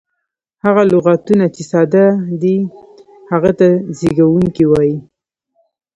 هغه لغتونه، چي ساده دي هغه ته زېږوونکی وایي.